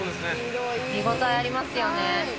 見応えありますよね。